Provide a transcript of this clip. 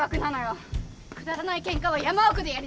くだらないケンカは山奥でやりなさい！